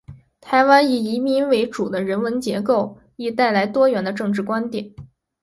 台湾以移民为主的人文结构，亦带来多元的政治观点。